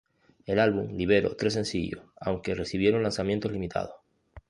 El álbum libero tres sencillos, aunque recibieron lanzamientos limitados.